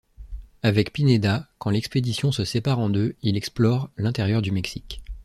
Avec Pineda, quand l'expédition se sépare en deux, il explore l'intérieur du Mexique.